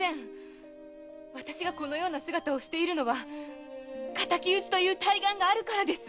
私がこのような姿をしているのは仇討ちという大願があるからです。